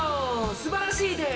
すばらしいです！